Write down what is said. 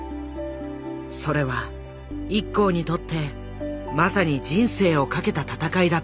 それはＩＫＫＯにとってまさに人生を懸けた闘いだった。